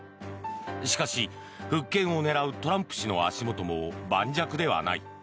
しかし、復権を狙うトランプ氏の足元も盤石ではない。